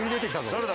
誰だ？